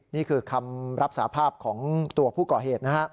นี่คือคำรับสาภาพของตัวผู้ก่อเหตุนะฮะ